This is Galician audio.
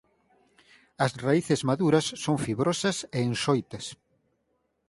As raíces maduras son fibrosas e enxoitas.